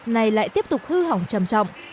này lại tiếp tục hư hỏng trầm trọng